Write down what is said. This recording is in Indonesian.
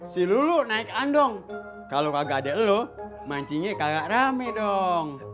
si lulu naik andong kalau kagak ada lu mancingnya kagak rame dong